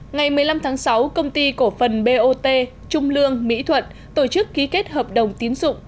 ngày một mươi năm tháng sáu công ty cổ phần bot trung lương mỹ thuận tổ chức ký kết hợp đồng tín dụng